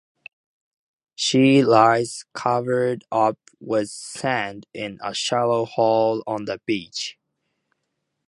She lies covered up with sand in a shallow hole on the beach.